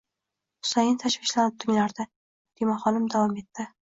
Husayin tashvishlanib tinglardi. Fotimaxonim davom etdi: